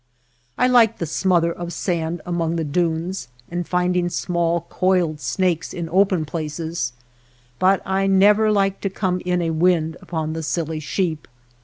I like the smother of sand among the dunes, and finding small coiled snakes in open places, but I never like to come in a wind upon the silly sheep.